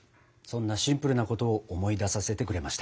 そんなシンプルなことを思い出させてくれました。